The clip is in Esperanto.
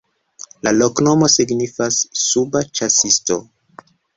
La loknomo signifas: suba-ĉasisto.